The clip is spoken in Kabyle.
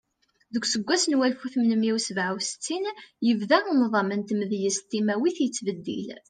Deg useggas n walef u tmenmiya u sebɛa U settin, yebda nḍam n tmedyazt timawit yettbeddil.